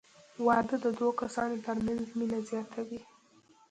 • واده د دوه کسانو تر منځ مینه زیاتوي.